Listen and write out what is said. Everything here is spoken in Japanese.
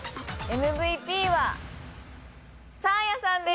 ＭＶＰはサーヤさんです